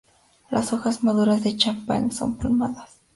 Las hojas maduras de 'Champagne' son palmadas.